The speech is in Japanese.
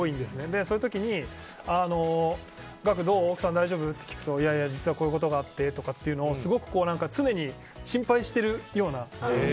そういう時に岳、奥さん大丈夫？とか聞くといや、実はこういうことがあってというのをすごく常に心配しているような。